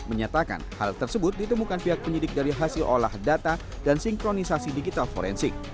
menyatakan hal tersebut ditemukan pihak penyidik dari hasil olah data dan sinkronisasi digital forensik